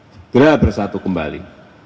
segera bersatu kembali